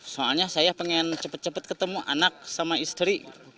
soalnya saya pengen cepat cepat ketemu anak sama istri